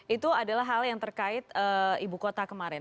itu adalah hal yang terkait ibu kota kemarin